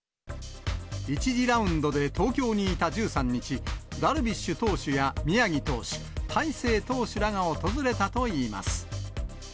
１次ラウンドで東京にいた１３日、ダルビッシュ投手や宮城投手、大勢投手らが訪れたといいます。